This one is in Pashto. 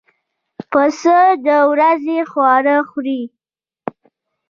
پسه د ورځې خواړه خوري.